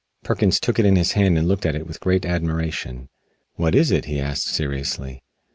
Perkins took it in his hand and looked at it with great admiration. "What is it?" he asked seriously.